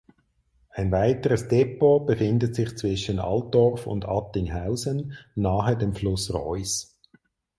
Ein weiteres Depot befindet sich zwischen Altdorf und Attinghausen nahe dem Fluss Reuss.